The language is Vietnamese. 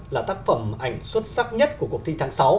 là tác phẩm ảnh xuất sắc nhất của cuộc thi tháng sáu